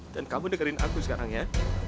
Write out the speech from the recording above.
dan kamu dengerin aku sekarang ya